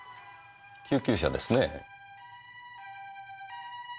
救急車ですねぇ。